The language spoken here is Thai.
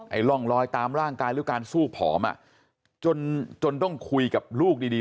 ร่องรอยตามร่างกายหรือการสู้ผอมอ่ะจนจนต้องคุยกับลูกดีดี